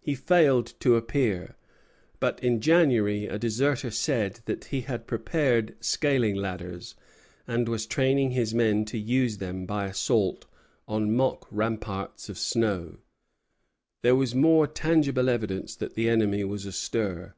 He failed to appear; but in January a deserter said that he had prepared scaling ladders, and was training his men to use them by assaults on mock ramparts of snow. There was more tangible evidence that the enemy was astir.